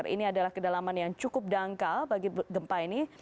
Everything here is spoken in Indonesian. ini adalah kedalaman yang cukup dangkal bagi gempa ini